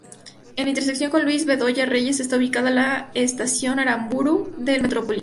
En la intersección con Luis Bedoya Reyes está ubicada la estación Aramburú del Metropolitano.